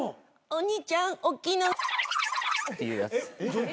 「お兄ちゃんおっきいの」っていうやつ。